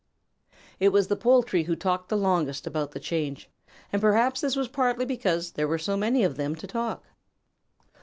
It was the poultry who talked the longest about the change, and perhaps this was partly because there were so many of them to talk.